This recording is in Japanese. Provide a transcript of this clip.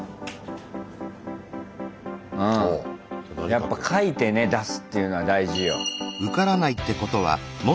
やっぱ書いてね出すっていうのは大事よ。